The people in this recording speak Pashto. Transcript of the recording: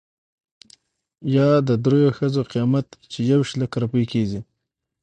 يا د درېو ښځو قيمت، چې يويشت لکه روپۍ کېږي .